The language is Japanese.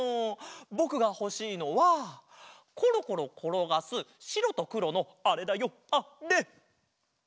ぼくがほしいのはコロコロころがすしろとくろのあれだよあれ！